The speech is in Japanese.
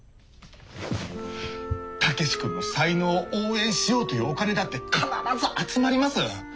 武志君の才能を応援しようというお金だって必ず集まります。